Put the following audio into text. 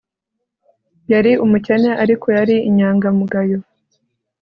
Yari umukene ariko yari inyangamugayo